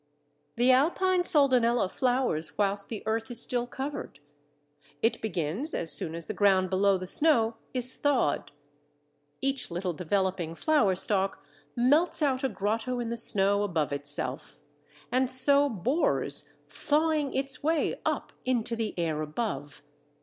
The Alpine Soldanella flowers whilst the earth is still covered. It begins as soon as the ground below the snow is thawed. Each little developing flower stalk melts out a grotto in the snow above itself, and so bores, thawing its way up into the air above.